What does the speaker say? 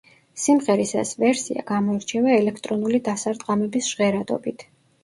სიმღერის ეს ვერსია გამოირჩევა ელექტრონული დასარტყამების ჟღერადობით.